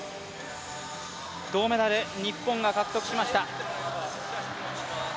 銅メダル、日本が獲得しました。